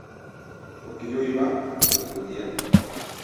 Porque yo iba y los vendía.